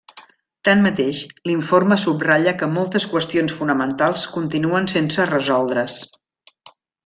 Tanmateix, l'informe subratlla que moltes qüestions fonamentals continuen sense resoldre's.